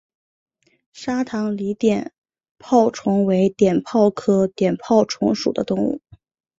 沙塘鳢碘泡虫为碘泡科碘泡虫属的动物。